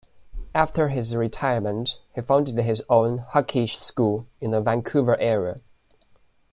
After his retirement, he founded his own hockey school in the Vancouver area.